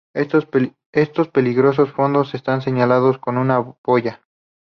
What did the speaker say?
Estos peligrosos fondos están señalados con una boya.